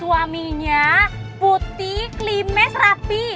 yang lainnya putih klimes rapi